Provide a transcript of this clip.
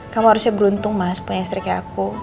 kamu harusnya beruntung mas punya istri kayak aku